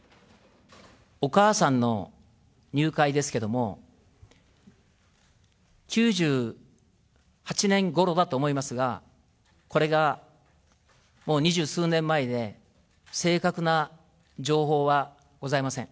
お母さんの入会ですけれども、９８年ごろだと思いますが、これがもう二十数年前で、正確な情報はございません。